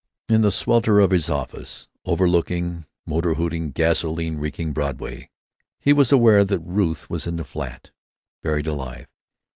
In the swelter of his office, overlooking motor hooting, gasoline reeking Broadway, he was aware that Ruth was in the flat, buried alive.